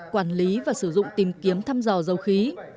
quản lý và sử dụng tìm kiếm thăm dò dầu khí